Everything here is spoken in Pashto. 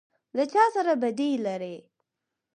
_ له چا سره بدي لری؟